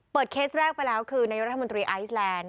เคสแรกไปแล้วคือนายกรัฐมนตรีไอซแลนด์